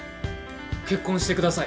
結婚してください。